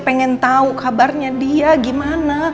pengen tahu kabarnya dia gimana